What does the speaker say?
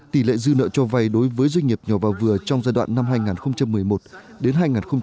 tỷ lệ dư nợ cho vai đối với doanh nghiệp nhỏ vào vừa trong giai đoạn năm hai nghìn một mươi một đến hai nghìn một mươi năm